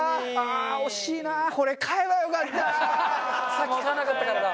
さっき買わなかったからだ。